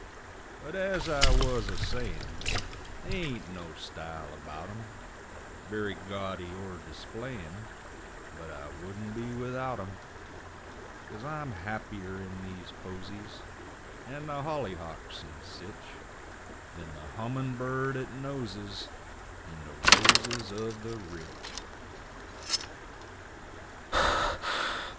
But as I wuz a sayin', They ain't no style about 'em Very gaudy er displayin', But I wouldn't be without 'em , 'Cause I'm happier in these posies, And the hollyhawks and sich, Than the hummin' bird 'at noses In the roses of the rich.